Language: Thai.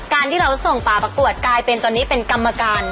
การที่เราส่งป่าประกวดกลายเป็นตอนนี้เป็นกรรมการ